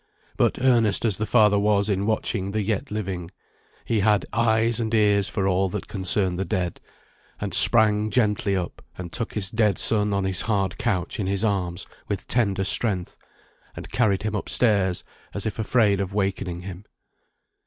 But earnest as the father was in watching the yet living, he had eyes and ears for all that concerned the dead, and sprang gently up, and took his dead son on his hard couch in his arms with tender strength, and carried him upstairs as if afraid of wakening him.